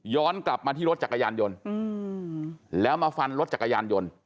กลับมาที่รถจักรยานยนต์แล้วมาฟันรถจักรยานยนต์